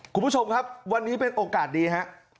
คุณผู้ชมครับวันนี้เป็นโอกาสดีครับ